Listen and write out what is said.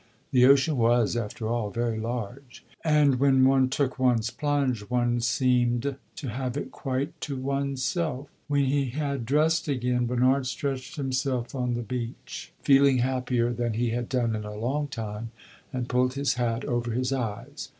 The ocean was, after all, very large, and when one took one's plunge one seemed to have it quite to one's self. When he had dressed himself again, Bernard stretched himself on the beach, feeling happier than he had done in a long time, and pulled his hat over his eyes.